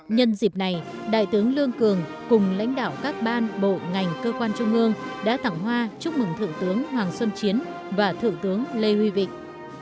nhân dịp này đại tướng lương cường cùng lãnh đạo các ban bộ ngành cơ quan trung ương đã thẳng hoa chúc mừng thượng tướng hoàng xuân chiến và thượng tướng lê huy vịnh